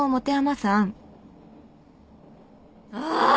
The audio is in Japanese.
ああ！